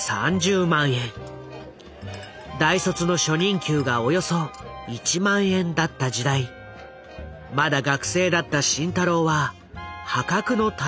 大卒の初任給がおよそ１万円だった時代まだ学生だった慎太郎は破格の待遇と喜んだ。